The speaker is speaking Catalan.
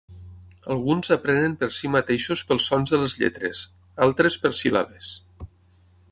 Alguns aprenen per si mateixos pels sons de les lletres, altres per síl·labes.